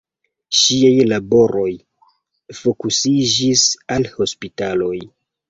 Ŝiaj laboroj fokusiĝis al hospitaloj.